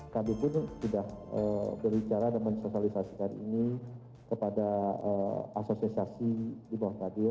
kami pun sudah berbicara dan mensosialisasikan ini kepada asosiasi di bawah radio